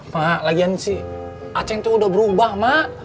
mak lagian si aceng tuh udah berubah mak